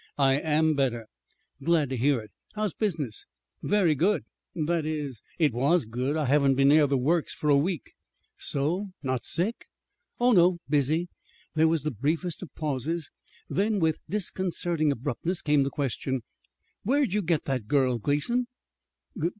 "I am better." "Glad to hear it. How's business?" "Very good that is, it was good. I haven't been near the Works for a week." "So? Not sick?" "Oh, no; busy." There was the briefest of pauses; then, with disconcerting abruptness, came the question: "Where'd you get that girl, Gleason?"